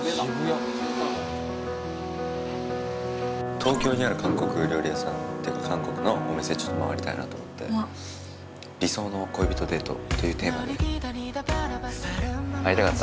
東京にある韓国料理屋さんっていうか韓国のお店ちょっと回りたいなと思って「理想の恋人デート」というテーマで会いたかった？